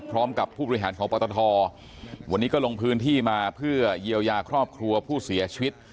ผู้บริหารของปตทวันนี้ก็ลงพื้นที่มาเพื่อเยียวยาครอบครัวผู้เสียชีวิต